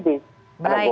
baik mas andri